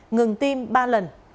ngừng tim ba lần